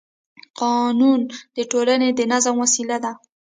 قانون د ټولنې د نظم وسیله ده